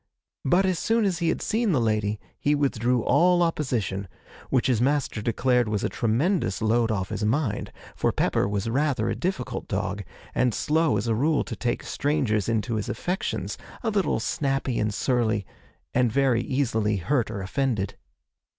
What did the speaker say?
But, as soon as he had seen the lady, he withdrew all opposition which his master declared was a tremendous load off his mind, for Pepper was rather a difficult dog, and slow as a rule to take strangers into his affections, a little snappy and surly, and very easily hurt or offended.